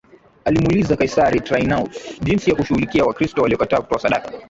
Alimwuliza Kaisari Traianus jinsi ya kushughulikia Wakristo waliokataa kutoa sadaka